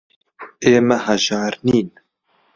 ئێمە هەژار نین.